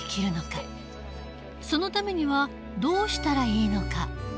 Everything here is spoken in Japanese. そのためにはどうしたらいいのか。